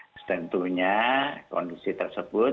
jadi tentunya kondisi tersebut